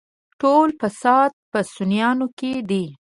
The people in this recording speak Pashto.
ټول فساد په سنيانو کې دی.